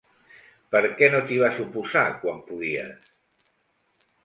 Per què no t'hi vas oposar quan podies?